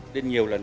đến nhiều lần